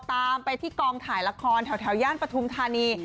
ตามไปที่กองถ่ายละครแถวย่านปฐุมธานี